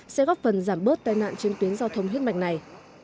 sẽ góp phần giảm bớt tai nạn trên tuyến giao thông huyết mạch này